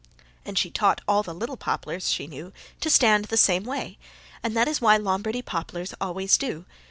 And she taught all the little poplars she knew to stand the same way, and that is why Lombardy poplars always do.